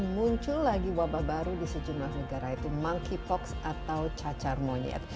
muncul lagi wabah baru di sejumlah negara yaitu monkeypox atau cacar monyet